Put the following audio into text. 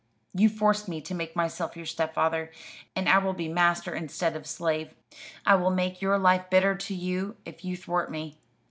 You forced me to make myself your stepfather; and I will be master instead of slave. I will make your life bitter to you if you thwart me.